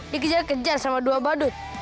dikejar kejar sama dua badut